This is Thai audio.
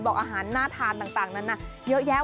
อาหารน่าทานต่างนั้นเยอะแยะ